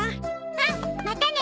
うんまたね。